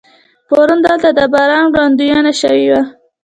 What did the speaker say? پرون دلته د باران وړاندوینه شوې وه.